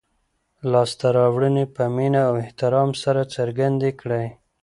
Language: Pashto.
لاسته راوړنې په مینه او احترام سره څرګندې کړئ.